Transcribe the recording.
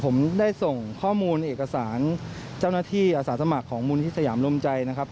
ผมได้ส่งข้อมูลเอกสารเจ้าหน้าที่อาสาสมัครของมูลที่สยามรวมใจนะครับ